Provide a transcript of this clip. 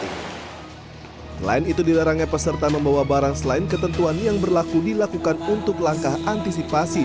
selain itu dilarangnya peserta membawa barang selain ketentuan yang berlaku dilakukan untuk langkah antisipasi